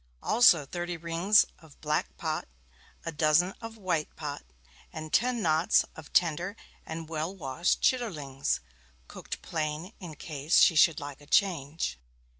Also thirty rings of black pot, a dozen of white pot, and ten knots of tender and well washed chitterlings, cooked plain in case she should like a change.